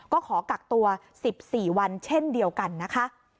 ก็ขอกักตัว๑๔วันเช่นเดียวกันนะคะ